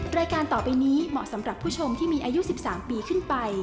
รายการต่อไปนี้เหมาะสำหรับผู้ชมที่มีอายุ๑๓ปีขึ้นไป